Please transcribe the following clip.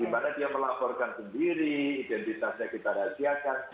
di mana dia melaporkan sendiri identitasnya kita rahasiakan